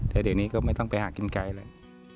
แต่เดี๋ยวนี้ก็ไม่ต้องไปหากินไกลเลย